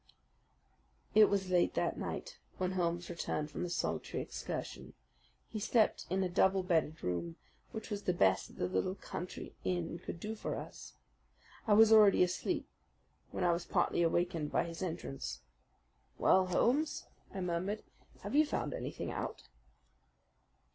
It was late that night when Holmes returned from his solitary excursion. We slept in a double bedded room, which was the best that the little country inn could do for us. I was already asleep when I was partly awakened by his entrance. "Well, Holmes," I murmured, "have you found anything out?"